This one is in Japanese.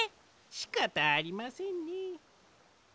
しかたありませんね。